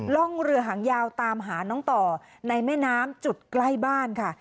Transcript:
ร่องเรือหางยาวตามหาน้องต่อในแม่น้ำจุดใกล้บ้านค่ะ